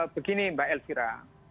begini mbak elvira